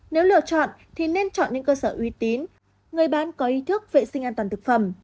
nếu lựa chọn thì nên chọn những cơ sở uy tín người bán có ý thức vệ sinh an toàn thực phẩm